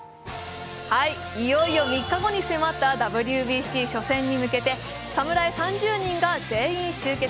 いよいよ３日後に迫ったＷＢＣ初戦に向けて、侍３０人が全員集結。